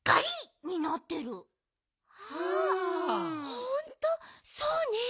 ほんとそうね。